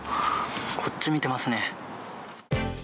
こっち見てますね。